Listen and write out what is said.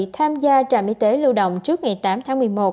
tham gia trạm y tế lưu động trước ngày tám tháng một mươi một